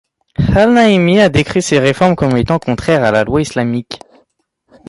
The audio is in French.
Al-Naimi a décrit ces réformes comme étant contraires à la loi islamique.